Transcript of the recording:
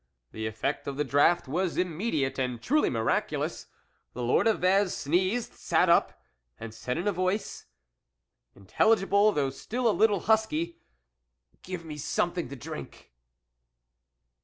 The effect of the draught was immediate and truly miraculous. The Lord of Vez sneezed, sat up, and said in a voice, intel ligible though still a little husky :" Give me something to drink."